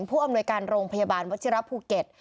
ผู้อำนวยการโรงพยาบาลวัชิระภูเก็ต